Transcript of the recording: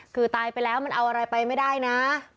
คือตายไปแล้วมันเอาอะไรไปไม่ได้นะ